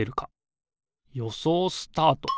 よそうスタート。